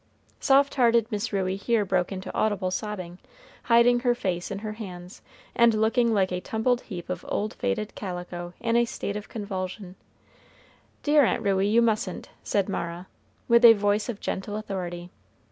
Soft hearted Miss Ruey here broke into audible sobbing, hiding her face in her hands, and looking like a tumbled heap of old faded calico in a state of convulsion. "Dear Aunt Ruey, you mustn't," said Mara, with a voice of gentle authority.